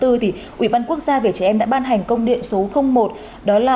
ủy ban quốc gia về trẻ em đã ban hành công điện số một